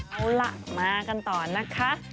เอาล่ะมากันต่อนะคะ